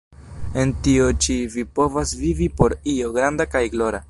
En tio ĉi vi povas vivi por io granda kaj glora.